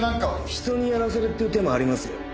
人にやらせるっていう手もありますよ。